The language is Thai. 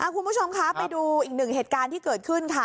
คุณผู้ชมคะไปดูอีกหนึ่งเหตุการณ์ที่เกิดขึ้นค่ะ